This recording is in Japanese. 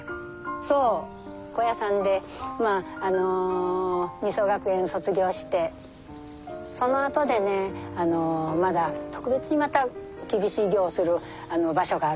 そう高野山で尼僧学園卒業してそのあとでねまだ特別にまた厳しい業をする場所があるのね。